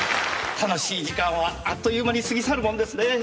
楽しい時間はあっという間に過ぎ去るものですねえ。